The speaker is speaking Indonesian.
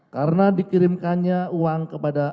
karena dikirimkannya uang kepada